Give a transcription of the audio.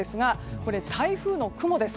これ台風の雲です。